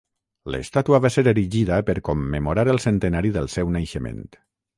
L'estàtua va ser erigida per commemorar el centenari del seu naixement.